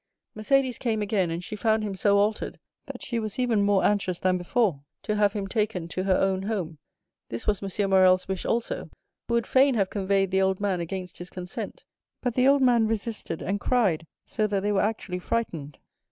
"Mercédès came again, and she found him so altered that she was even more anxious than before to have him taken to her own home. This was M. Morrel's wish also, who would fain have conveyed the old man against his consent; but the old man resisted, and cried so that they were actually frightened.